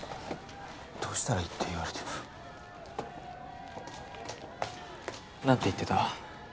どうしたらいいって言われても何て言ってた？